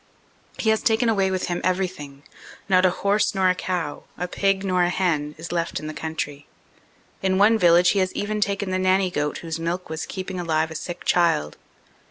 He has taken away with him everything. Not a horse nor a cow, a pig nor a hen, is left in the country. In one village he has even taken the nanny goat whose milk was keeping alive a sick child.